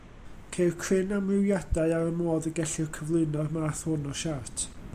Ceir cryn amrywiadau ar y modd y gellir cyflwyno'r math hwn o siart.